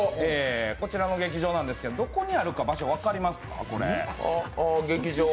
こちらの劇場なんですがどこにあるか場所分かりますか？